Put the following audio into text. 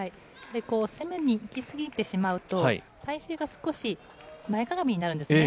攻めにいき過ぎてしまうと、体勢が少し前かがみになるんですね。